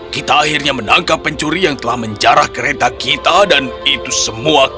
kita akhirnya menangkap pencuri yang telah menjarah kereta kita dan itu semua